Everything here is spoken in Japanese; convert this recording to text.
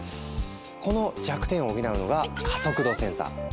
この弱点を補うのが加速度センサー。